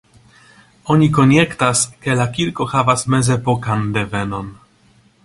Oni konjektas, ke la kirko havas mezepokan devenon.